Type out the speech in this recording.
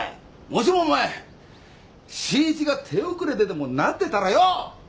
もしも信一が手遅れにでもなってたらよ